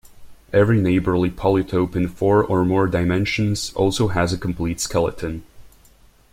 Every neighborly polytope in four or more dimensions also has a complete skeleton.